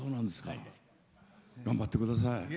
頑張ってください。